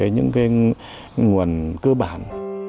những cái nguồn cơ bản